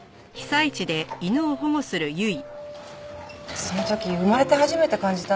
その時生まれて初めて感じたんだよね。